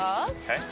はい。